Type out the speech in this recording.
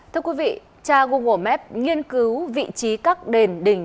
thưa quý vị cha google map nghiên cứu vị trí các đền đình